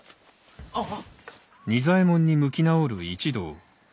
あっ。